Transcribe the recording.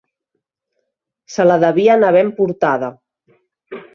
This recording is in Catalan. Se la devien haver emportada.